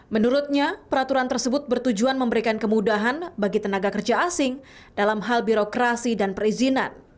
menurutnya peraturan tersebut bertujuan memberikan kemudahan bagi tenaga kerja asing dalam hal birokrasi dan perizinan